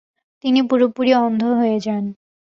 তিনি পুরোপুরি অন্ধ হয়ে যান।